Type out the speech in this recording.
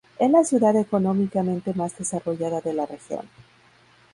Es la ciudad económicamente más desarrollada de la región.